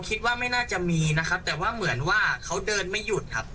คิดว่าไม่น่าจะมีนะครับแต่ว่าเหมือนว่าเขาเดินไม่หยุดครับ